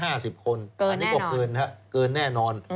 เกินแน่นอนอันนี้บอกเกินครับเกินแน่นอน